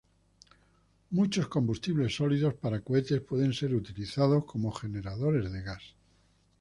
Muchos combustible sólidos para cohetes pueden ser utilizadas como generadores de gas.